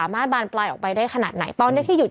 หลายคนก็ว่าอยากยึดเคียฟ